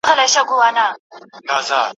د قدرت پر دښمنانو کړي مور بوره